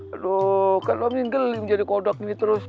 aduh kan om jin geling jadi kodok ini terus